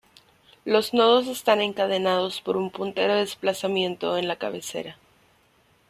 Los nodos están encadenados por un puntero desplazamiento en la cabecera.